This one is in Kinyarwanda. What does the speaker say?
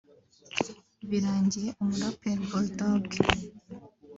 Birangiye umuraperi Bull Dogg